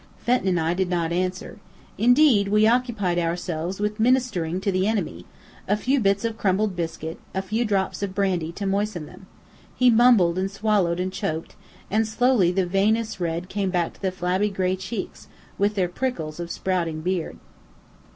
Fenton and I did not answer. Instead, we occupied ourselves with ministering to the enemy: a few bits of crumbled biscuit, a few drops of brandy to moisten them. He mumbled and swallowed and choked; and slowly the veinous red came back to the flabby gray cheeks, with their prickles of sprouting beard.